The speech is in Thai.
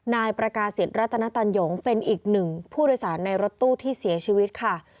นายประกาศิษย์รัตนตันหยงเป็นอีกหนึ่งผู้โดยสารในรถตู้ที่เสียชีวิตค่ะ